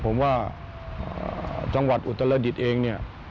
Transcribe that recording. ผมว่าอ่าจังหวัดอุตรรดิตเองเนี่ย